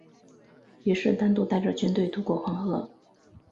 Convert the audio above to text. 于是单独带着军队渡过黄河。